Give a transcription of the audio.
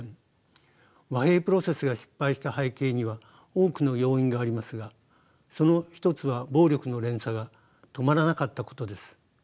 和平プロセスが失敗した背景には多くの要因がありますがその一つは暴力の連鎖が止まらなかったことです。